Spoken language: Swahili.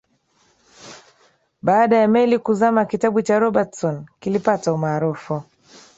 baada ya meli kuzama kitabu cha robertson kilipata umaarufu